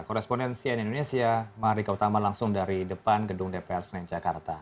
korespondensi indonesia marika utama langsung dari depan gedung dpr senenjakarta